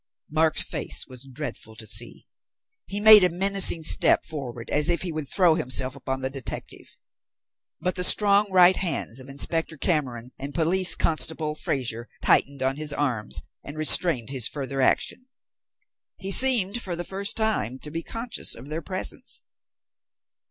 Mark's face was dreadful to see. He made a menacing step forward as if he would throw himself upon the detective. But the strong right hands of Inspector Cameron and Police Constable Fraser tightened on his arms and restrained his further action. He seemed for the first time to be conscious of their presence.